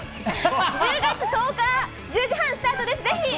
１０月１０日、１０時半スタートです。